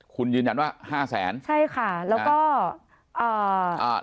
คุณยืนยันว่าห้าแสนใช่ค่ะแล้วก็อ่าอ่า